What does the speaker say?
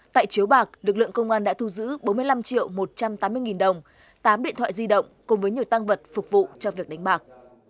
tại chiếu bạc lực lượng công an đã thu giữ bốn mươi năm triệu một trăm tám mươi nghìn đồng tám điện thoại di động cùng với nhiều tăng vật phục vụ cho việc đánh bạc